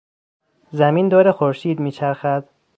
زمین دور خورشید میچرخد.